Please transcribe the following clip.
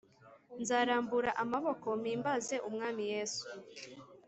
nzarambura amaboko mpimbaze umwami yesu